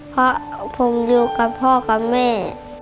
เพราะผมอยู่กับพ่อกับแม่